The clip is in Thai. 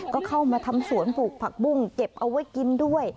ก็เข้ามาทำสวนปลูกผักบุ้งเก็บเอาไว้กินด้วย